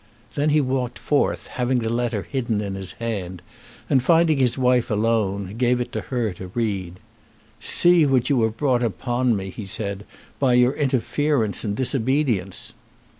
Then he walked forth, having the letter hidden in his hand, and finding his wife alone, gave it her to read. "See what you have brought upon me," he said, "by your interference and disobedience."